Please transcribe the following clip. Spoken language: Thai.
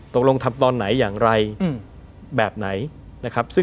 ตกลงทำตอนไหนอย่างไรแบบไหนนะครับ